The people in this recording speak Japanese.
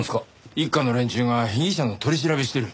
一課の連中が被疑者の取り調べしてる。